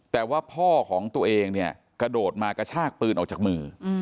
แต่ว่าพ่อของตัวเองเนี่ยกระโดดมากระชากปืนออกจากมือ